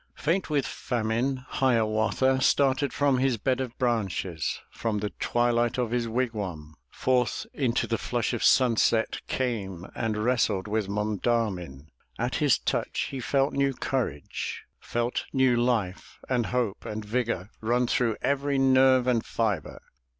Faint with famine, Hiawatha Started from his bed of branches. From the twilight of his wigwam Forth into the flush of sunset Came, and wrestled with Mon da'min; At his touch he felt new courage, 383 MY BOOK HOUSE Felt new life and hope and vigor Run through every nerve and fibre.